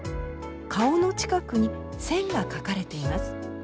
顔の近くに線が描かれています。